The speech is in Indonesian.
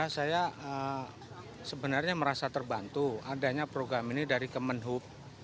saya sebenarnya merasa terbantu adanya program ini dari kemenhub